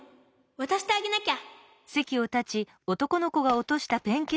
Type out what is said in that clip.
わたしてあげなきゃ！